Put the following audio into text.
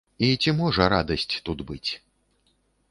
І ці можа радасць тут быць?